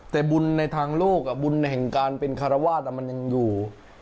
แต่บุญในทางโลกบุญแห่งการเป็นคารวาสมันยังอยู่